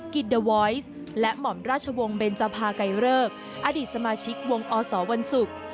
กิจเดอร์วอยซ์และหม่อมราชวงศ์เบนจภาไกรเลิกอดีตสมาชิกวงอสวันศุกร์